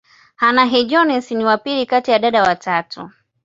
Hannah-Jones ni wa pili kati ya dada watatu.